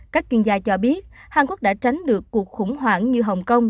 các chuyên gia cho biết hàn quốc đã tránh được cuộc khủng hoảng như hồng kông